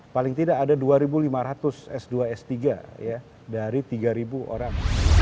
paling tidak ada dua lima ratus s dua s tiga dari tiga orang